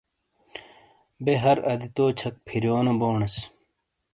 بے ہر اَدِتو چھَک فِرِیونو بونیس۔